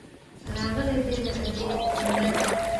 راغلې دي. لکه دې جمله کې.